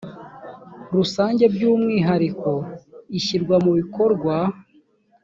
rusange by umwihariko ishyirwa mu bikorwa